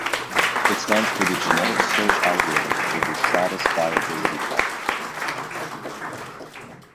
It stands for "Generic seaRch Algorithm for the Satisfiability Problem".